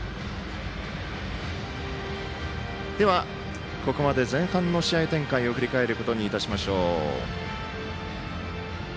では、ここまで前半の試合展開を振り返ることにいたしましょう。